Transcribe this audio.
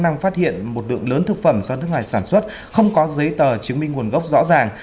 ngoài sản xuất không có giấy tờ chứng minh nguồn gốc rõ ràng